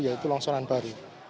yaitu lonsoran baru